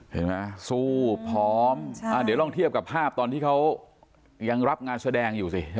เห็นไหมสู้พร้อมเดี๋ยวลองเทียบกับภาพตอนที่เขายังรับงานแสดงอยู่สิ